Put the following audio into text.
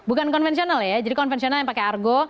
bukan konvensional ya jadi konvensional yang pakai argo